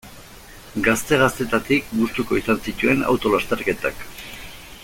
Gazte-gaztetatik gustuko izan zituen auto lasterketak.